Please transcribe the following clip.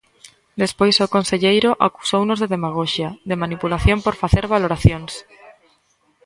Despois o conselleiro acusounos de demagoxia, de manipulación por facer valoracións.